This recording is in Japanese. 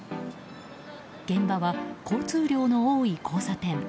現場は交通量の多い交差点。